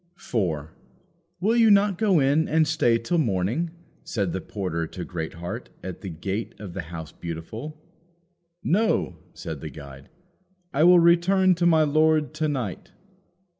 4. "Will you not go in and stay till morning?" said the porter to Greatheart, at the gate of the House Beautiful. "No," said the guide; "I will return to my lord to night."